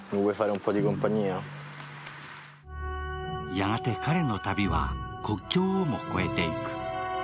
やがて彼の旅は国境をも越えていく。